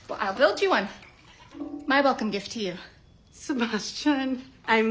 ああ。